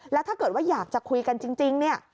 แล้วถ้าเกิดว่าอยากจะคุยกันจริงเนี่ย